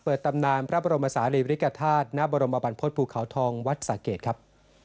เปิดตำนานพระบรมศาลีริกฤทธาศน์ณบรมบันพฤษภูเขาทองวัดสาเกตครับ